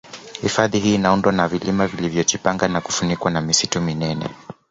Hifadhi hii inaundwa na vilima vilivyojipanga na kufunikwa na misitu minene